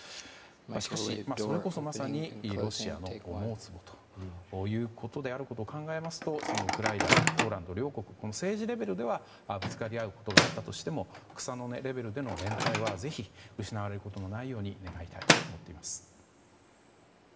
しかし、それこそまさにロシアの思うつぼということだと考えますとウクライナ、ポーランド両国は政治レベルではぶつかり合うことがあったとしても草の根レベルでの連帯は、ぜひ失われることないように願いたいと思います。